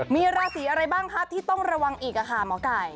มีราศีอะไรบ้างคะที่ต้องระวังอีกค่ะหมอไก่